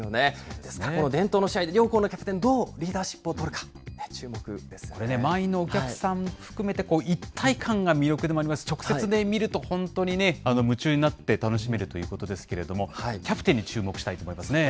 ですから、この伝統の試合で両校のキャプテン、どうリーダーシップをとるか満員のお客さん含めて、一体感が魅力でもありますし、直接見ると本当にね、夢中になって楽しめるということですけれども、キャプテンに注目したいと思います